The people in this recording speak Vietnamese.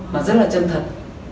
mà rất là chân thật